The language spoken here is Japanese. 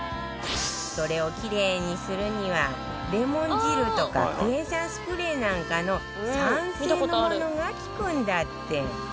それをキレイにするにはレモン汁とかクエン酸スプレーなんかの酸性のものが効くんだって